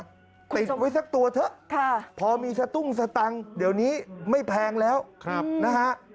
ติดไว้สักตัวเถอะพอมีสตุ้งสตังค์เดี๋ยวนี้ไม่แพงแล้วนะฮะ